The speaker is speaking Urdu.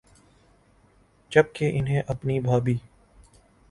جب کہ انہیں اپنی بھابھی